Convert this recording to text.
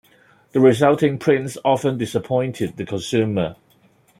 The resulting prints often disappointed the consumer.